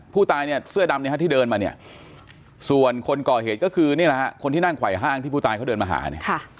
ผู้ตายเนี่ยเสื้อดำเนี่ยฮะที่เดินมาเนี่ยส่วนคนก่อเหตุก็คือนี่แหละฮะคนที่นั่งไขว่ห้างที่ผู้ตายเขาเดินมาหาเนี่ย